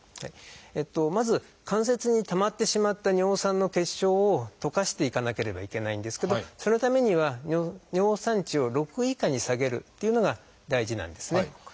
まず関節にたまってしまった尿酸の結晶を溶かしていかなければいけないんですけどそのためには尿酸値を６以下に下げるっていうのが大事なんですね。